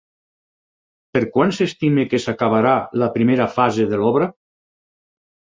Per quan s'estima que s'acabarà la primera fase de l'obra?